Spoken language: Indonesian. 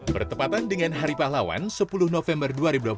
bertepatan dengan hari pahlawan sepuluh november dua ribu dua puluh